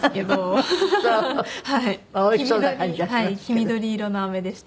黄緑色のアメでした。